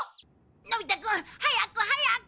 のび太くん早く早く！